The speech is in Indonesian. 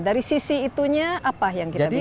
dari sisi itunya apa yang kita bisa berikan